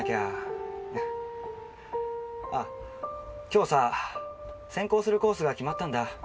今日さ専攻するコースが決まったんだ。